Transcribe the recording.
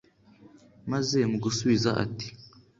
maze mu gusubiza ati